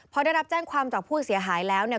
พอได้รับแจ้งความจากผู้เสียหายแล้วเนี่ย